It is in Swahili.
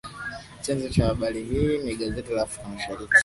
Chanzo cha habari hii ni gazeti la Afrika Mashariki.